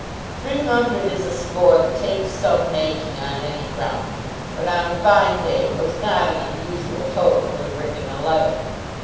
Three hundred is a score that takes some making on any ground, but on a fine day it was not an unusual total for the Wrykyn eleven.